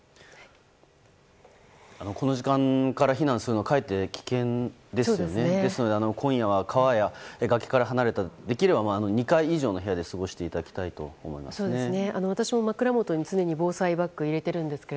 この時間から避難するのはかえって危険ですので今夜は川や崖から離れたできれば２階以上の部屋で過ごしていただきたいと思いますね。